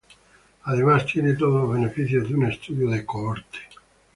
Además, tiene todos los beneficios de un estudio de cohorte.